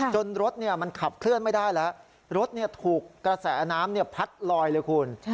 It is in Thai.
รถมันขับเคลื่อนไม่ได้แล้วรถถูกกระแสน้ำพัดลอยเลยคุณ